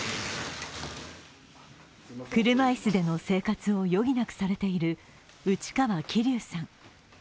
車椅子での生活を余儀なくされている内川起龍さん。